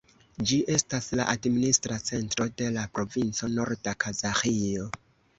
Ĝi estas la administra centro de la provinco Norda Kazaĥio.